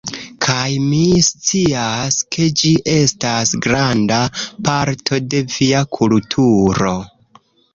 Kaj mi scias, ke ĝi estas granda parto de via kulturo